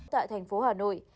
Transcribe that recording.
tại thành phố hà nội